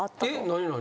何何？